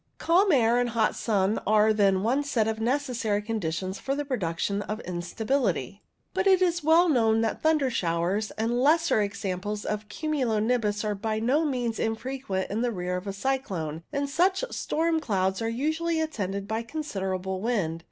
Calm air and hot sun are then one set of necessary conditions for the production of instability. But it is well known that thunder showers and lesser examples of cumulo nimbus are by no means infrequent in the rear of a cyclone, and such storm clouds are usually attended by considerable wind.